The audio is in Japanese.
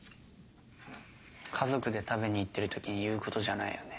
家族で食べに行ってる時に言うことじゃないよね。